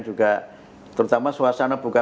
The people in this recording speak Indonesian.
juga terutama suasana buka